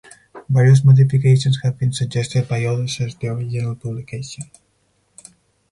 Various modifications have been suggested by others since the original publication.